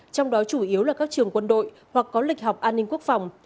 trong đó chủ yếu là các trường quân đội hoặc có lịch học an ninh quốc phòng